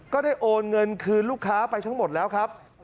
ก็ได้โอนเงินคืนลูกค้าไปทั้งหมดแล้วครับ